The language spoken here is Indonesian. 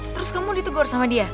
terus kamu ditegur sama dia